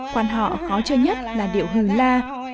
quan họ khó chơi nhất là điệu hừ la